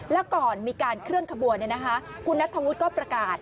แล้วก่อนมีการเคลื่อนขบวนคุณนัทธวุฒิก็ประกาศ